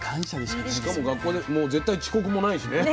しかも学校でもう絶対遅刻もないしね。